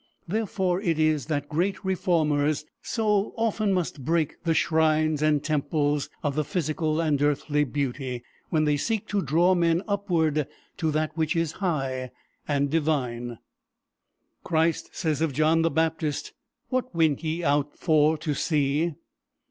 Therefore it is that great reformers so often must break the shrines and temples of the physical and earthly beauty, when they seek to draw men upward to that which is high and divine. Christ says of John the Baptist, "What went ye out for to see?